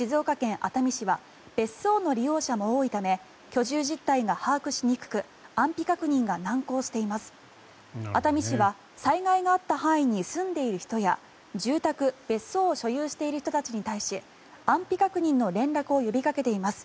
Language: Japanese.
熱海市は災害があった範囲に住んでいる人や住宅・別荘を所有している人たちに対し安否確認の連絡を呼びかけています。